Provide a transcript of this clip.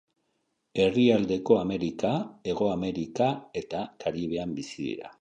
Erdialdeko Amerika, Hego Amerika eta Karibean bizi dira.